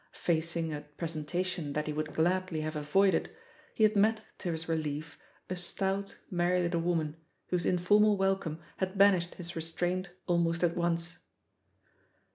Facing a presentation that he would gladly have avoided, he had met, to his relief, a stout, merry little woman, whose informal wel come had banished his restraint almost at once.